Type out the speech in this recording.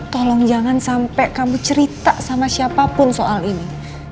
tolong jangan sampai kamu cerita sama siapapun soal ini